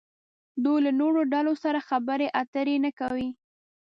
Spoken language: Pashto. دوی له نورو ډلو سره خبرې اترې نه کوي.